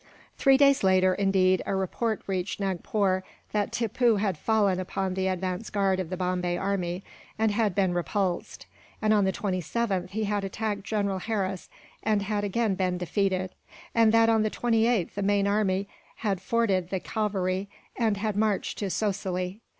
Three days later, indeed, a report reached Nagpore that Tippoo had fallen upon the advance guard of the Bombay army, and had been repulsed; and on the 27th he had attacked General Harris, and had again been defeated; and that on the 28th the main army had forded the Cauvery, and had marched to Sosilly.